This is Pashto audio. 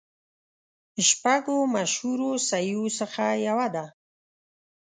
شپږو مشهورو صحیحو څخه یوه ده.